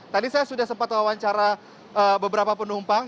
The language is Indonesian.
tadi saya sudah sempat wawancara beberapa penumpang